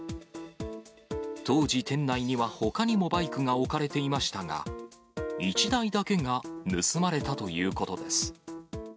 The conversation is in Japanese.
当時、店内にはほかにもバイクが置かれていましたが、１台だけが盗まれたということです。